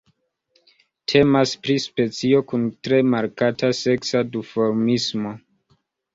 Temas pri specio kun tre markata seksa duformismo.